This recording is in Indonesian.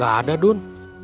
gak ada dun